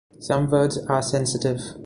Some words are sensitive.